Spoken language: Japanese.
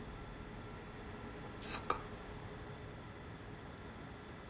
そっか。